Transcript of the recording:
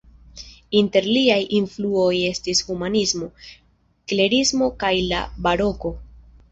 Inter liaj influoj estis humanismo, klerismo kaj la Baroko.